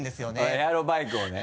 エアロバイクをね。